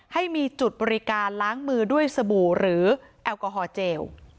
ให้มีจุดบริการล้างมือด้วยสบู่หรือแอลกอฮอลเจล